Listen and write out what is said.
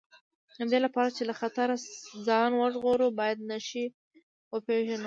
د دې لپاره چې له خطره ځان وژغورو باید نښې وپېژنو.